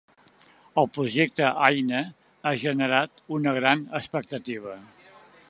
El projecte Aina ha generat una gran expectativa.